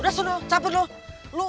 nah ini bi pakai dulu